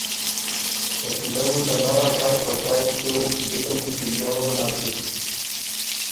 شکیلۀ بو ته نر ا کر په شوق دوک جِکه بُو ستِړيېوک ګۀ نک سُک